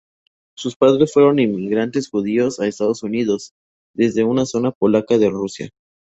Sus padres fueron inmigrantes judíos a Estados Unidos desde una zona polaca de Rusia.